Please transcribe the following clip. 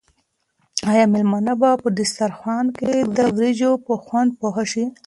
آیا مېلمانه به په دسترخوان کې د وریجو په خوند پوه شي؟